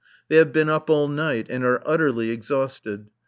They have been up all night and are utterly exhausted.